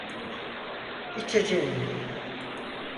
İçeceğim.